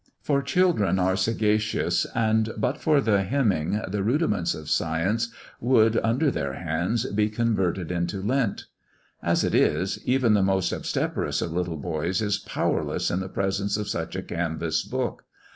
For children are sagacious, and but for the hemming the rudiments of science would, under their hands, be converted into lint. As it is, even the most obstreperous of little boys is powerless in the presence of such a canvass book.